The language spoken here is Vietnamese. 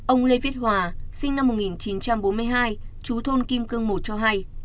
ông lê viết hòa sinh năm một nghìn chín trăm bốn mươi hai chú thôn kim cương một cho hay